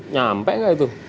nyampe gak itu